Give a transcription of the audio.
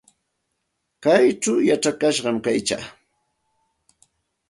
Kaychaw yachakashqam kaykaa.